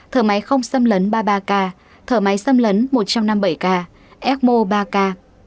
thở máy không xâm lấn ba mươi ba ca thở máy xâm lấn một trăm năm mươi bảy k ecmo ba k